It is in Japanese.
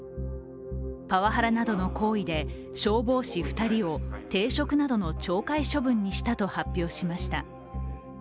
パワハラなどの行為で消防士２人を停職などの懲戒処分にしたと発表しました。